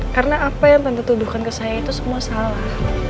karena apa yang tante tuduhkan ke saya itu semua salah